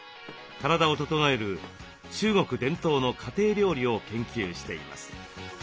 体を整える中国伝統の家庭料理を研究しています。